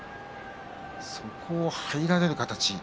そこを入られる形。